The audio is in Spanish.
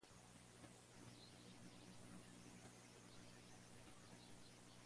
Los lagos de cabecera son superficiales, conectados por carreras de rápidos.